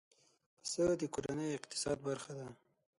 پسه د کورنۍ اقتصاد برخه ده.